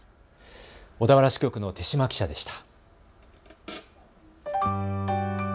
小田原支局の豊嶋記者でした。